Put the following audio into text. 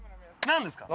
何ですか？